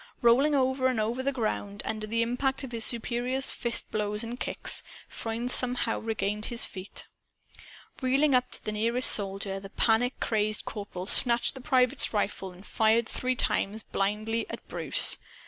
Rolling over and over on the ground, under the impact of his superior's fist blows and kicks, Freund somehow regained his feet. Reeling up to the nearest soldier, the panic crazed corporal snatched the private's rifle and fired three times, blindly, at Bruce.